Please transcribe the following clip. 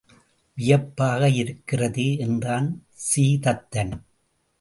வியப்பாக இருக்கிறதே என்றான் சீதத்தன்.